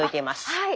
はい。